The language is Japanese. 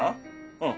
うん。